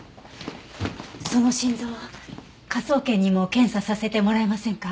その心臓科捜研にも検査させてもらえませんか？